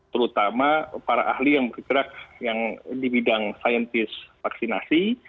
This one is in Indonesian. terutama para ahli yang bergerak yang di bidang saintis vaksinasi